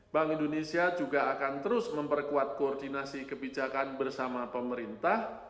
bank indonesia juga akan terus memperkuat koordinasi kebijakan bersama pemerintah